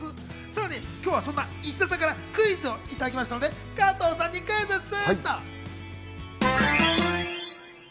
さらに石田さんから今日はクイズをいただきましたので、加藤さんにクイズッス。